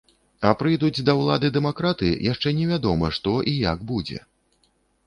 А прыйдуць да ўлады дэмакраты, яшчэ невядома, што і як будзе.